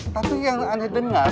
tapi yang aneh dengar